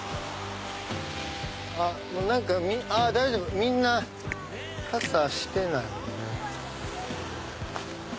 あっ大丈夫みんな傘してないね。